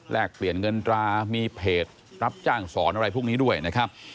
เปลี่ยนเงินตรามีเพจรับจ้างสอนอะไรพวกนี้ด้วยนะครับ